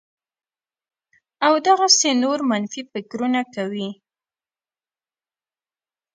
او دغسې نور منفي فکرونه کوي